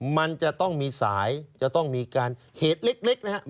มันจะต้องมีสายจะต้องมีการเหตุเล็กนะครับ